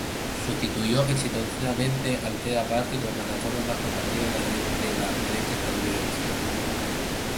Sustituyó exitosamente al Tea Party como plataforma más combativa de la derecha estadounidense.